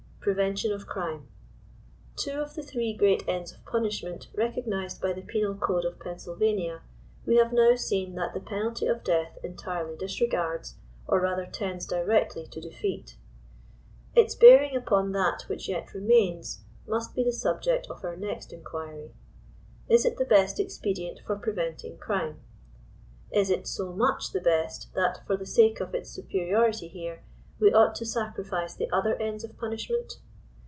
PREVENTION OF CRIME. Two of the three great ends of punishment recognised by the penal code of Pennsylvania, we have now seen that the penalty of death entirely disregards, or rather tends directly to defeat. Its bearing updn that which yet remains, must be the subject of our next inquiry. Is it the best expedient for preventing crime ? Is it so much the best that, for the sake of its superiority here, we ought to sacrifice the other ends of punishment?